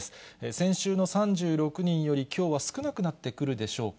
先週の３６人よりきょうは少なくなってくるでしょうか。